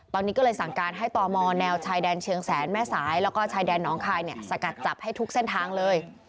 ตอนนี้ก็เลยสั่งการให้ตมแนวชายแดนเชียงแสนแม่สายแล้วก็ชายแดนน้องคายสกัดจับให้ทุกเส้นทางเลย